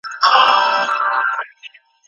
قرآني قصې د عبرت اخيستلو لپاره ډيري ښې دي.